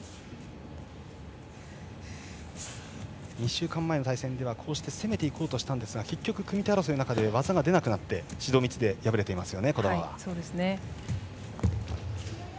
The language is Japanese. ２週間前の対戦では攻めていこうとしたんですが組み手争いの中で技が出なくなり指導３つで敗れています。